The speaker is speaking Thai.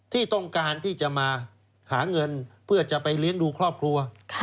ที่ต้องการที่จะมาหาเงินเพื่อจะไปเลี้ยงดูครอบครัว